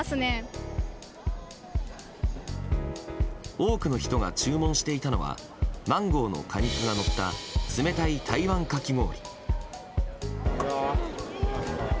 多くの人が注文していたのはマンゴーの果肉がのった冷たい台湾かき氷。